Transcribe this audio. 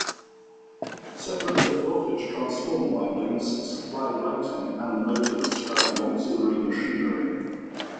Separate low-voltage transformer windings supply lighting and the motors driving auxiliary machinery.